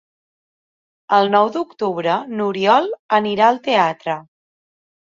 El nou d'octubre n'Oriol anirà al teatre.